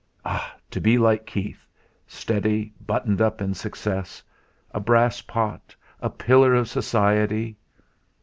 Ah! to be like Keith, steady, buttoned up in success; a brass pot, a pillar of society!